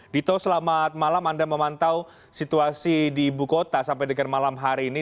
dito selamat malam anda memantau situasi di ibu kota sampai dengan malam hari ini